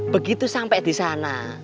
begitu sampai di sana